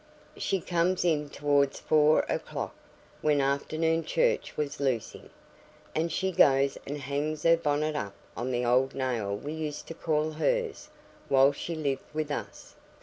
She comes in, toward four o'clock, when afternoon church was loosing, and she goes and hangs her bonnet up on the old nail we used to call hers, while she lived with us.